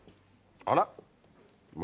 あら？